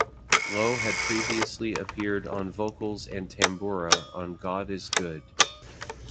Lowe had previously appeared on vocals and tambura on "God Is Good".